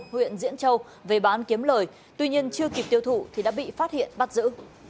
huyện diễn châu về bán kiếm lời tuy nhiên chưa kịp tiêu thụ thì đã bị phát hiện bắt giữ